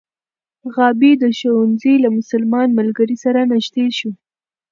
غابي د ښوونځي له مسلمان ملګري سره نژدې شو.